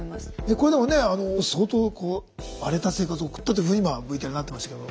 これでもね相当荒れた生活を送ったというふうに今ＶＴＲではなってましたけど。